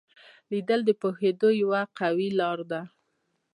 لیدل د پوهېدو یوه قوي لار ده